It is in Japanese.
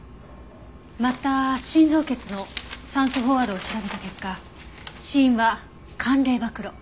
また心臓血の酸素飽和度を調べた結果死因は寒冷暴露。